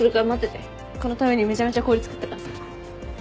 このためにめちゃめちゃ氷作ったからさ。